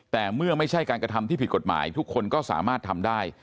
แต่เมื่อไม่ใช่การกระทำที่ผิดกฎหมายทุกคนก็สามารถทำได้